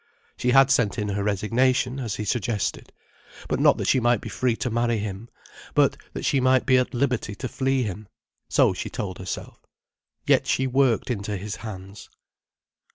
She had sent in her resignation, as he suggested. But not that she might be free to marry him, but that she might be at liberty to flee him. So she told herself. Yet she worked into his hands.